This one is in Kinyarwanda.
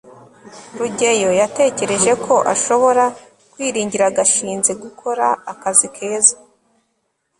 rugeyo yatekereje ko ashobora kwiringira gashinzi gukora akazi keza